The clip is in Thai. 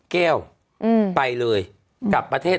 แก้วไปเลยกลับประเทศ